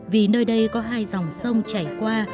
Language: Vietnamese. vì nơi đây có hai dòng sông chảy qua